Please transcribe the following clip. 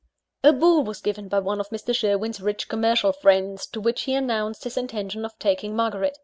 A ball was given by one of Mr. Sherwin's rich commercial friends, to which he announced his intention of taking Margaret.